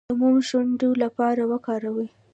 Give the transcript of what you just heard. د موم د شونډو لپاره وکاروئ